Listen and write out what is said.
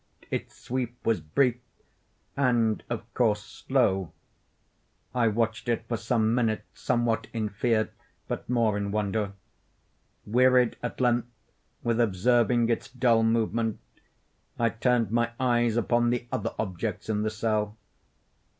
Its sweep was brief, and of course slow. I watched it for some minutes, somewhat in fear, but more in wonder. Wearied at length with observing its dull movement, I turned my eyes upon the other objects in the cell.